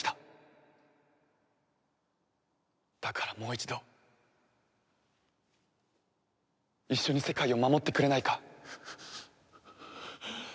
だからもう一度一緒に世界を守ってくれないか？